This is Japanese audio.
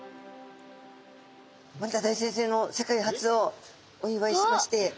森田大先生の世界初をお祝いしまして。